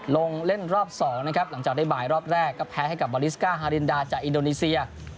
ลงเล่นรอบ๒นะครับหลังจากได้บ่ายรอบแรกก็แพ้ให้กับบอลิสก้าฮารินดาจากอินโดนีเซีย